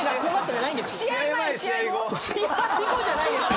試合後じゃないですよ！